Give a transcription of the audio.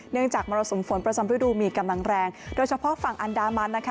จากมรสุมฝนประจำฤดูมีกำลังแรงโดยเฉพาะฝั่งอันดามันนะคะ